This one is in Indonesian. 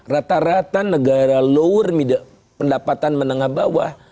rata rata negara lower pendapatan menengah bawah